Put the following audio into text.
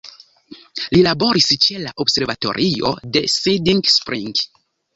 Li laboris ĉe la Observatorio de Siding Spring.